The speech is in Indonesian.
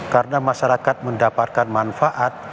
karena masyarakat mendapatkan manfaat